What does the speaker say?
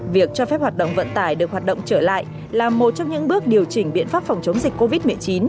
việc cho phép hoạt động vận tải được hoạt động trở lại là một trong những bước điều chỉnh biện pháp phòng chống dịch covid một mươi chín